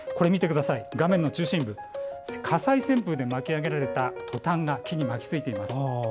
画面の中心部火災旋風で巻き上げられたトタンが木に巻きついています。